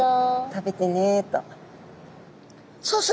食べてねと。